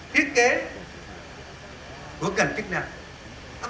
thiết kế của cảnh chức năng